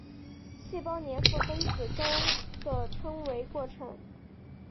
细胞黏附分子中的称为的过程。